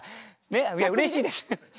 いやうれしいです。